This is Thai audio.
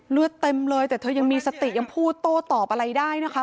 เลือดเต็มเลยแต่เธอยังมีสติยังพูดโต้ตอบอะไรได้นะคะ